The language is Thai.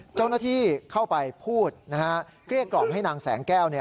เจ้าหน้าที่เข้าไปพูดเกลี้ยกล่อมให้นางแสงแก้ว